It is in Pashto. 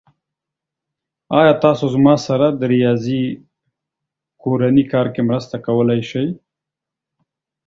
ایا تاسو زما سره زما د ریاضی کورنی کار کې مرسته کولی شئ؟